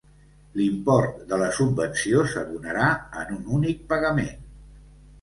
L'import de la subvenció s'abonarà en un únic pagament.